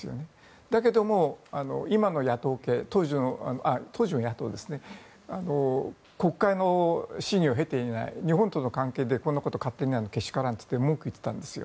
だけども当時の野党ですね国会の審議を経ていない日本との関係でこんなことをやるのはけしからんと文句を言っていたんです。